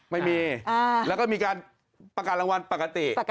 ไม่มีแล้วก็มีการประกาศรางวัลปกติ